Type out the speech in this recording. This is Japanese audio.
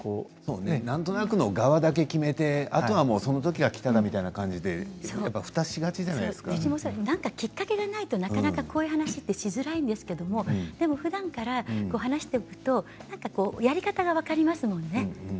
なんとなくのがわだけ決めて、あとはそのときがきたらみたいな何かきっかけがないとこういう話しづらいんですけどふだんから話しているとやり方が分かりますものね。